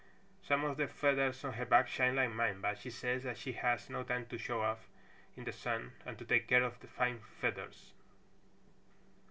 Some of the feathers on her back shine like mine, but she says that she has no time to show off in the sun and to take care of fine feathers."